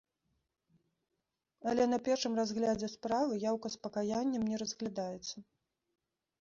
Але на першым разглядзе справы яўка з пакаяннем не разглядаецца.